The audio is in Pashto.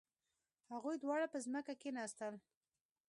هغوی دواړه په ځمکه کښیناستل.